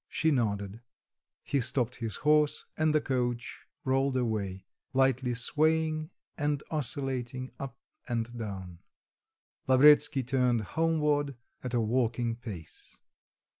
She nodded, he stopped his horse, and the coach rolled away, lightly swaying and oscillating up and down; Lavretsky turned homeward at a walking pace.